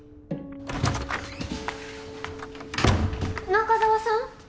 中澤さん？